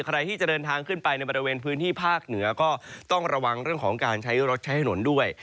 ใครที่จะเดินทางขึ้นไปในบริเวณพื้นที่ภาคเหนือก็ต้องระวังเรื่องของการใช้รถใช้ถนนด้วย